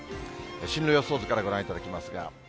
進路予想図からご覧いただきますが。